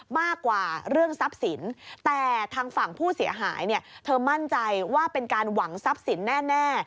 เธอมั่นใจว่าเป็นการหวังทรัพย์สินแน่